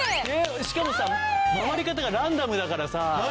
しかもさ回り方がランダムだからさ。